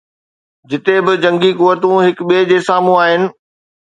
جتي ٻه جنگي قوتون هڪ ٻئي جي سامهون آهن.